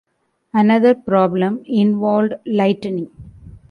Another problem involved lighting.